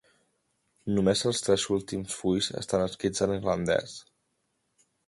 Només els tres últims fulls estan escrits en irlandès.